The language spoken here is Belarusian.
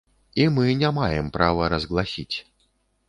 І мы не маем права разгласіць.